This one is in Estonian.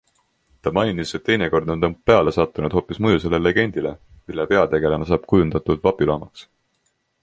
Ta mainis, et teinekord on ta peale sattunud hoopis mõjusale legendile, mille peategelane saab kujundatud vapiloomaks.